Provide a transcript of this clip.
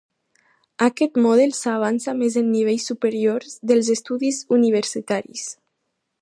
Aquest model s'avança més en nivells superiors dels estudis universitaris.